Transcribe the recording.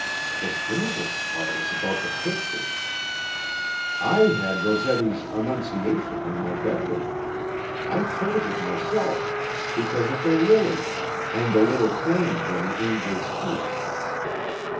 The strangest part is about the pictures. I had Rossetti's 'Annunciation' in my bedroom. I chose it myself, because of the lilies, and the little flames on the angel's feet.